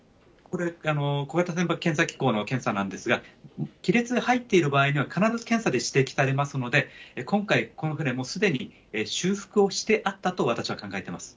小型船舶検査機構の検査なんですが、亀裂が入っている場合には、必ず検査で指摘されますので、今回、この船、すでに修復をしてあったと私は考えています。